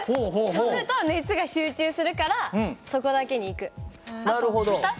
そうすると熱が集中するからそこだけにいく。